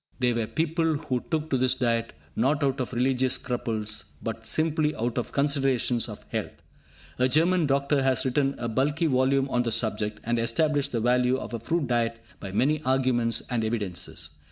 They were people who took to this diet, not out of religious scruples, but simply out of considerations of health. A German doctor has written a bulky volume on the subject, and established the value of a fruit diet by many arguments and evidences.